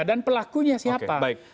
dan pelakunya siapa